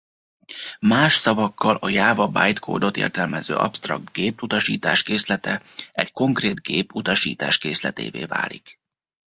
Más szavakkal a Java bájtkódot értelmező absztrakt gép utasításkészlete egy konkrét gép utasításkészletévé válik.